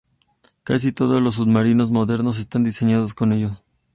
Casi todos los submarinos modernos están diseñados con ellos.